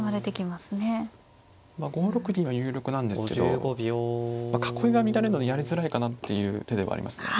まあ５六銀が有力なんですけど囲いが乱れるのでやりづらいかなっていう手ではありますね。